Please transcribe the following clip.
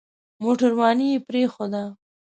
موټرواني يې پرېښوده.